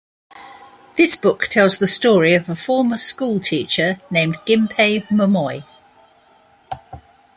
This book tells the story of a former schoolteacher named Gimpei Momoi.